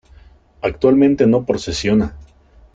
Actualmente no procesiona.